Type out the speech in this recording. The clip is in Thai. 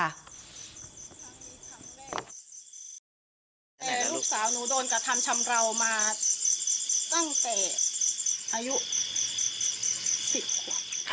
แต่ลูกสาวหนูโดนกระทำชำราวมาตั้งแต่อายุ๑๐ขวบ